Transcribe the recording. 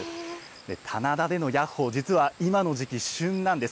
棚田でのヤッホー、実は今の時期、旬なんです。